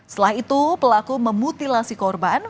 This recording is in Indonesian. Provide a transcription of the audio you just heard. setelah itu pelaku memutilasi korban